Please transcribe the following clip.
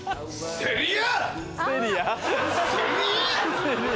セリア！